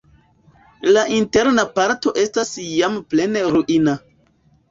La interna parto estas jam plene ruina.